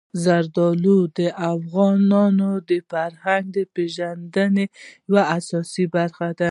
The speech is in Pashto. زردالو د افغانانو د فرهنګي پیژندنې یوه اساسي برخه ده.